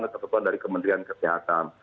dan terkait dari kementerian kesehatan